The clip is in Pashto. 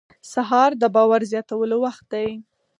سهار د باور زیاتولو وخت دی.